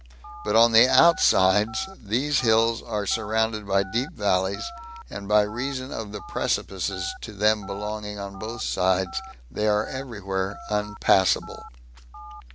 But on the outsides, these hills are surrounded by deep valleys, and by reason of the precipices to them belonging on both sides they are every where unpassable.